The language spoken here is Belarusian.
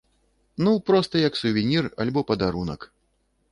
Ну проста як сувенір альбо падарунак.